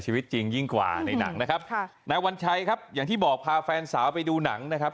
ชีวิตจริงยิ่งกว่าในหนังนะครับค่ะนายวัญชัยครับอย่างที่บอกพาแฟนสาวไปดูหนังนะครับ